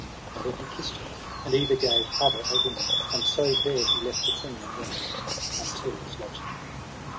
And then he kissed her, and either gave other a ring; and so there he left the queen, and went until his lodging.